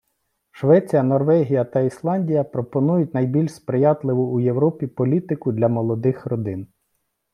Швеція, Норвегія та Ісландія пропонують найбільш сприятливу у Європі політику для молодих родин.